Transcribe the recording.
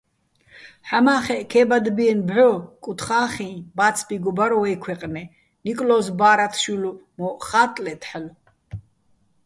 ჰ̦ამა́ხეჸ ქე́ბადბიენო̆ ბჵო კუთხახიჼ ბა́ცბიგო ბარ ვეჲ ქვეჲყნე, ნიკლო́ზ ბა́რათშვილ მო́ჸ ხა́ტტლეთ ჰ̦ალო̆.